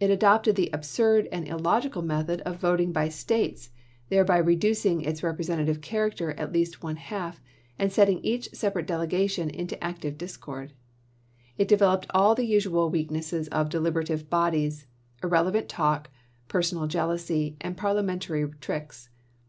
It adopted the absurd and illogical method of voting by States, thereby re ducing its representative character at least one half, and setting each separate delegation into active discord. It developed all the usual weak nesses of deliberative bodies, irrelevant talk, per sonal jealousy, and parliamentary tricks.